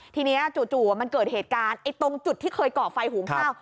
ทีนี้จู่มันเกิดเหตุการณ์ตรงจุดที่เคยก่อไฟหุงข้าว